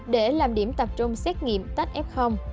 để làm điểm tập trung xét nghiệm tách f